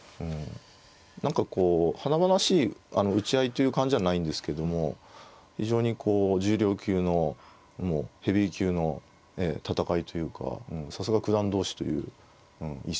何かこう華々しい打ち合いという感じじゃないんですけども非常にこう重量級のもうヘビー級の戦いというかさすが九段同士という一戦ですよね。